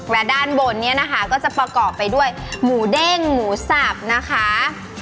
และด้านบนเนี่ยนะคะก็จะประกอบไปด้วยหมูเด้งหมูสับนะคะ